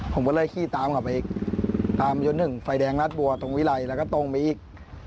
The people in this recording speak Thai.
ผมก็เลยขี่ตามกลับไปอีกตามจนถึงไฟแดงรัดบัวตรงวิไลแล้วก็ตรงไปอีก